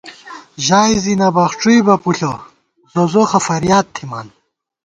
ژائی زی نہ بخڄُوئی بہ پُݪہ زوزوخہ فِریاد تھِمان